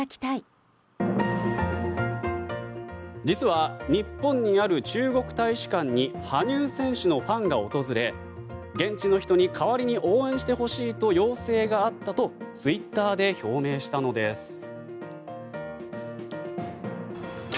実は、日本にある中国大使館に羽生選手のファンが訪れ現地の人に代わりに応援してほしいと要請があったとツイッターで表明したのです。